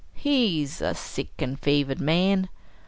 He's a sick and fevered man.